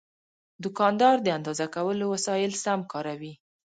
دوکاندار د اندازه کولو وسایل سم کاروي.